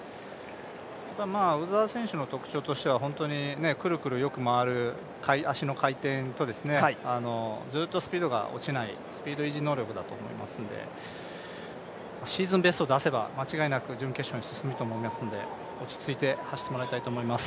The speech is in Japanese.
鵜澤選手の特徴としては、本当にくるくるよく回る足の回転と、ずっとスピードが落ちないスピード維持能力だと思いますので、シーズンベスト出せば間違いなく準決勝行けると思いますので落ち着いて走ってほしいと思います。